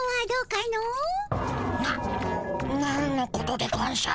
ななんのことでゴンショ。